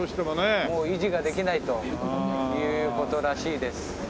もう維持ができないという事らしいです。